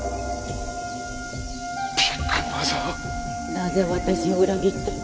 何故私を裏切った？